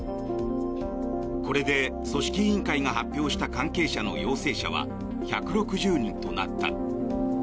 これで組織委員会が発表した関係者の陽性者は１６０人となった。